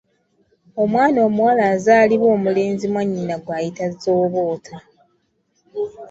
Omwana omuwala azaalibwa omulenzi mwannyina gw'ayita zooboota.